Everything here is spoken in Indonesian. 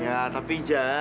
ya tapi ja